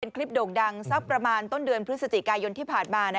คลิปโด่งดังสักประมาณต้นเดือนพฤศจิกายนที่ผ่านมา